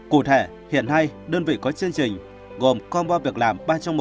cụ thể hiện nay đơn vị có chương trình gồm combo việc làm ba trong một